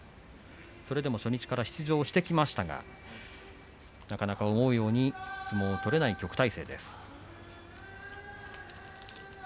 それでも初日から出場してきましたがなかなか思うように相撲が取れない旭大星です。